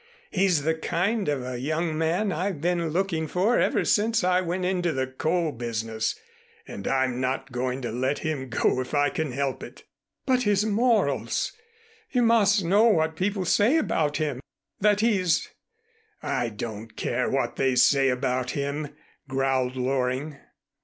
He's the kind of a young man I've been looking for ever since I went into the coal business, and I'm not going to let him go if I can help it." "But his morals! You must know what people say about him, that he's " "I don't care what they say about him," growled Loring.